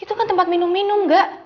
itu kan tempat minum minum gak